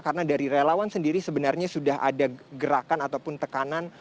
karena dari relawan sendiri sebenarnya sudah ada gerakan ataupun tekanan